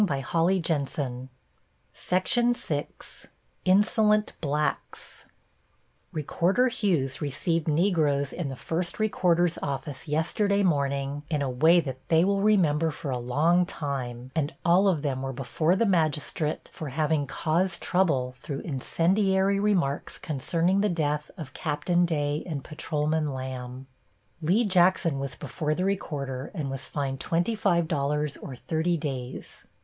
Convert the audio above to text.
She was given $25 or thirty days. +INSOLENT BLACKS+ "Recorder Hughes received Negroes in the first recorder's office yesterday morning in a way that they will remember for a long time, and all of them were before the magistrate for having caused trouble through incendiary remarks concerning the death of Captain Day and Patrolman Lamb." "Lee Jackson was before the recorder and was fined $25 or thirty days.